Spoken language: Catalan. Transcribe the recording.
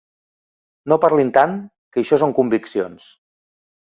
No parlin tant, que això són conviccions.